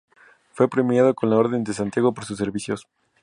Fue premiado con la Orden de Santiago por sus servicios.